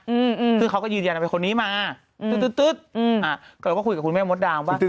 อืมอืมคือเขาก็ยืนยันเป็นคนนี้มาอืมอืมอืมอ่ะก็เลยก็คุยกับคุณแม่มดดำว่า